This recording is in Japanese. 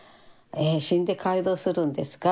「えっ死んで解剖するんですか？」